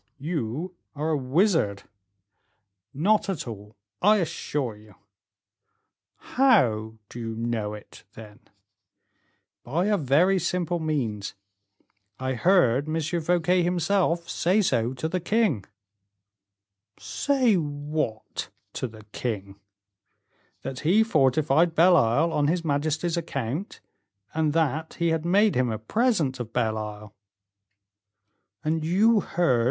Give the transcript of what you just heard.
"You are a wizard." "Not at all, I assure you." "How do you know it, then?" "By a very simple means. I heard M. Fouquet himself say so to the king." "Say what to the king?" "That he fortified Belle Isle on his majesty's account, and that he had made him a present of Belle Isle." "And you heard M.